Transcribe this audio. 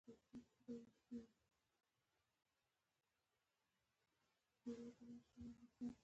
تجربه راوړو.